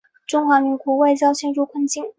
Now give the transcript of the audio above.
中华民国外交陷入困境。